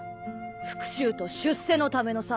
復讐と出世のためのさ。